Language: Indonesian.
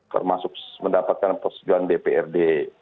termasuk mendapatkan persegihan dprd